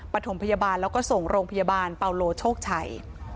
ปฐมพยาบาลแล้วก็ส่งโรงพยาบาลเปาโลโชคชัย